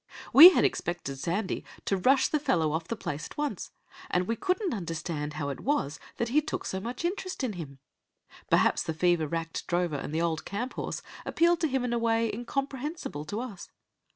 We had expected Sandy to rush the fellow off the place at once, and we couldn't understand how it was that he took so much interest in him. Perhaps the fever racked drover and the old camp horse appealed to him in a way incomprehensible to us.